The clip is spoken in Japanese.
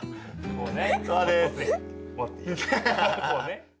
こうね。